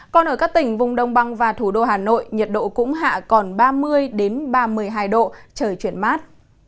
còn ở các tỉnh vùng đông băng và thủ đô hà nội nhiệt độ cũng hạ còn ba mươi ba mươi hai độ trời chuyển mát